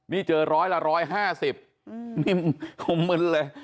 นี่เจอ๑๐๐แล้ว๑๕๐คมเม้นเลย